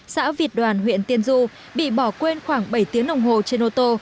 xã việt đoàn huyện tiên du bị bỏ quên khoảng bảy tiếng đồng hồ trên ô tô